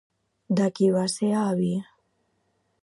De qui va ser avi?